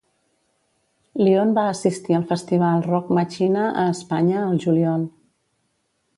Lione va assistir al Festival Rock Machina a Espanya el juliol.